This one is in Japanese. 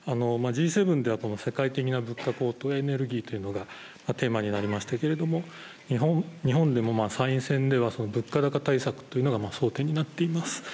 Ｇ７では世界的な物価高騰、エネルギーというのがテーマになりましたけれども、日本でも参院選では物価高対策というのが争点になっています。